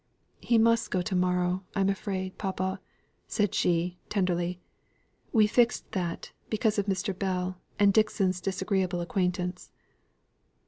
"He must go to morrow, I'm afraid, papa," said she, tenderly; "we fixed that, because of Mr. Bell, and Dixon's disagreeable acquaintance."